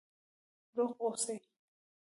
روغ اوسئ؟